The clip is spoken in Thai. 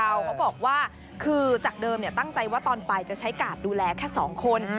เขาบอกว่าคือจากเดิมตั้งใจว่าตอนไปจะใช้กาดดูแลแค่๒คน